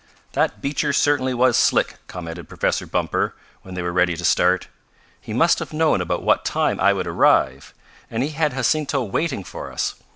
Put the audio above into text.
"That Beecher certainly was slick," commented Professor Bumper when they were ready to start. "He must have known about what time I would arrive, and he had Jacinto waiting for us.